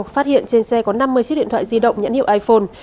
phát hiện trên xe có năm mươi chiếc điện thoại di động nhãn hiệu iphone